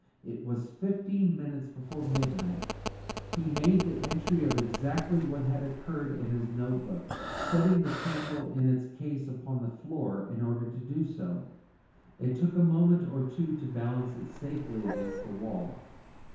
It was fifteen minutes before midnight; he made the entry of exactly what had occurred in his notebook, setting the candle in its case upon the floor in order to do so. It took a moment or two to balance it safely against the wall.